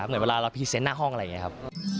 เหมือนเวลาเราพรีเซนต์หน้าห้องอะไรอย่างนี้ครับ